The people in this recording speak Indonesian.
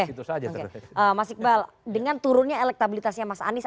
mas iqbal dengan turunnya elektabilitasnya mas anies